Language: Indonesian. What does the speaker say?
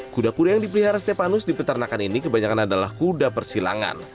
kuda kuda yang dipelihara stepanus di peternakan ini kebanyakan adalah kuda persilangan